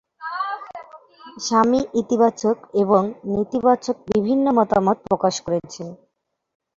স্বামী ইতিবাচক এবং নেতিবাচক বিভিন্ন মতামত প্রকাশ করেছেন।